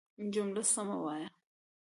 جمله سمه وايه!